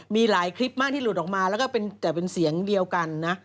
มีหลายคลิปมากที่หลุดออกมาแล้วก็เป็นแต่เป็นเสียงเดียวกันนะ